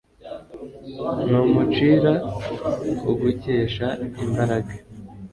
n'umucwira ugukesha imbaraga